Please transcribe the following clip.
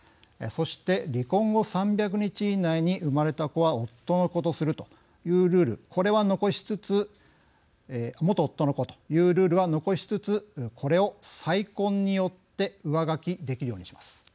そして、離婚後３００日以内に生まれた子は夫の子とするというルール、これは残しつつ元夫の子というルールは残しつつこれを再婚によって上書きできるようにします。